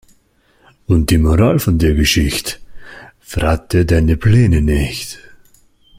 Und die Moral von der Geschicht': Verrate deine Pläne nicht.